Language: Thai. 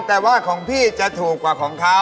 แต่ว่าของพี่จะถูกกว่าของเขา